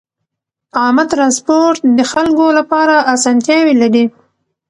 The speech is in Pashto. عامه ترانسپورت د خلکو لپاره اسانتیاوې لري.